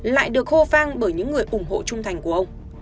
lại được hô vang bởi những người ủng hộ trung thành của ông